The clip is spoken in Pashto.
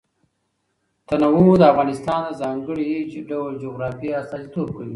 تنوع د افغانستان د ځانګړي ډول جغرافیه استازیتوب کوي.